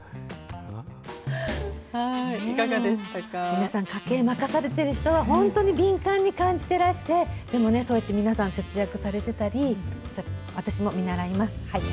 皆さん、家計任されると、本当に敏感に感じてらして、でもね、そうやって皆さん、節約されてたり、私も見習います。